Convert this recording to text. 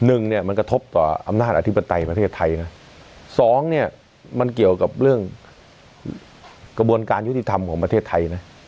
หนึ่งเนี่ยมันกระทบต่ออำนาจอธิปไตยประเทศไทยนะสองเนี่ยมันเกี่ยวกับเรื่องกระบวนการยุติธรรมของประเทศไทยนะ